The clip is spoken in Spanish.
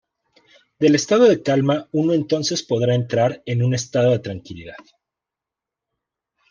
Del estado de calma uno entonces podrá entrar en un estado de tranquilidad.